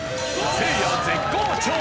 せいや絶好調！